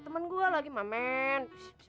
temen gua lagi mah men